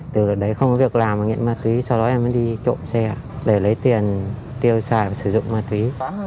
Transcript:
từ đấy không có việc làm và nghiện ma túy sau đó em mới đi trộm xe để lấy tiền tiêu xài và sử dụng ma túy